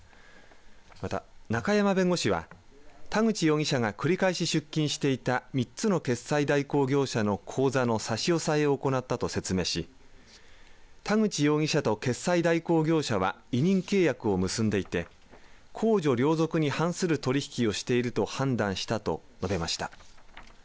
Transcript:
また、中山弁護士は田口容疑者が繰り返し出金していた３つの決済代行業社の口座の差し押さえを行ったと説明し田口容疑者と決済代行業者は委任契約を結んでいて公序良俗に反する取り引きをしていると判断したと述べました。